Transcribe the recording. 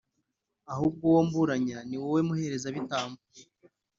ahubwo uwo mburanya, ni wowe, muherezabitambo!